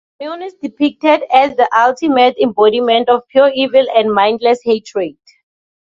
Ganon is depicted as the ultimate embodiment of pure evil and mindless hatred.